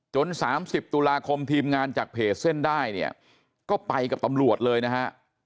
๓๐ตุลาคมทีมงานจากเพจเส้นได้เนี่ยก็ไปกับตำรวจเลยนะฮะ